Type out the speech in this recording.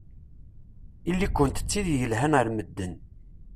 Ili-kent d tid yelhan ar medden.